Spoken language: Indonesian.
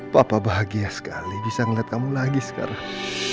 papa bahagia sekali bisa melihat kamu lagi sekarang